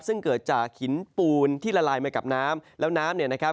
ซึ่งเกิดจากหินปูนที่ละลายมากับน้ำ